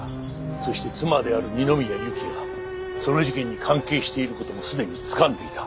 そして妻である二宮ゆきがその事件に関係している事もすでにつかんでいた。